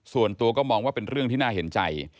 ส่วนตัวก็มองว่าเป็นเรื่องที่น่าเห็นใจ